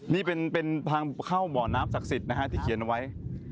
นี่เป็นทางเข้าบ่อน้ำศักดิ์สิทธิ์นะฮะที่เขียนไว้